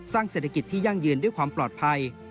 เศรษฐกิจที่ยั่งยืนด้วยความปลอดภัย